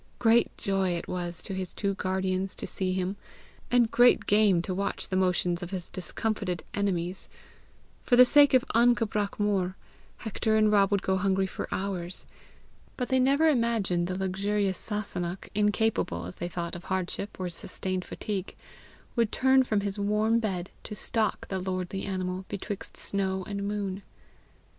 Great joy it was to his two guardians to see him, and great game to watch the motions of his discomfited enemies. For the sake of an cabrach Hector and Rob would go hungry for hours. But they never imagined the luxurious Sasunnach, incapable, as they thought, of hardship or sustained fatigue, would turn from his warm bed to stalk the lordly animal betwixt snow and moon.